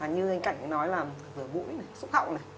như anh cạnh nói là rửa mũi xúc hậu